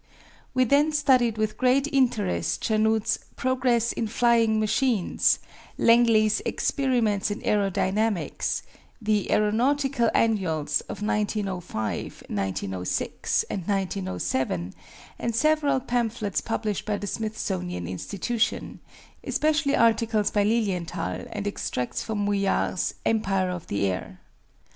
We then studied with great interest Chanute's "Progress in Flying Machines," Langley's "Experiments in Aerodynamics," the "Aeronautical Annuals" of 1905, 1906, and 1907, and several pamphlets published by the Smithsonian Institution, especially articles by Lilienthal and extracts from Mouillard's "Empire of the Air."